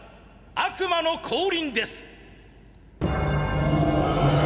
悪魔の降臨です。